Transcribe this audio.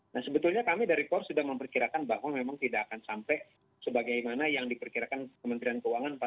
nah sebetulnya kami dari kor sudah memperkirakan bahwa memang tidak akan sampai sebagaimana yang diperkirakan kementerian keuangan empat lima